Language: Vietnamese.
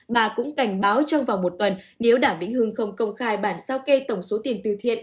bà cũng cảnh báo trong vòng một tuần nếu đảm vĩnh hương không công khai bản sao kê tổng số tiền từ thiện